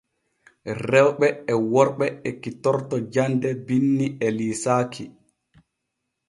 Rewɓe e worɓe ekkitorto jande binni e liisaaki.